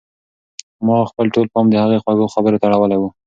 ما خپل ټول پام د هغې خوږو خبرو ته اړولی و.